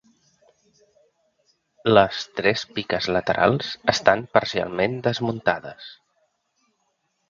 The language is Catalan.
Les tres piques laterals estan parcialment desmuntades.